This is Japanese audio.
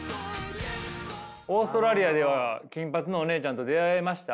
オーストラリアでは金髪のおねえちゃんと出会えました？